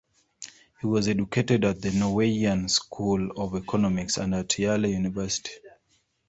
He was educated at the Norwegian School of Economics and at Yale University.